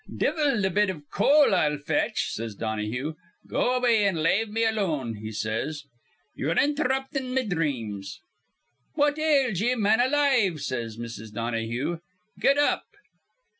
'Divvle th' bit iv coal I'll fetch,' says Donahue. 'Go away an' lave me alone,' he says. 'Ye're inthruptin' me dreams.' 'What ails ye, man alive?' says Mrs. Donahue. 'Get up.'